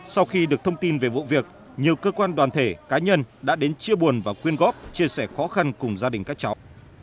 sau khi được thông tin về vụ việc nhiều cơ quan đoàn thể cá nhân đã đến chia buồn và quyên góp chia sẻ khó khăn cùng gia đình các cháu